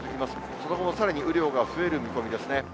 その後もさらに雨量が増える見込みですね。